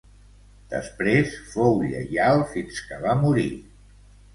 Després fou lleial fins que va morir.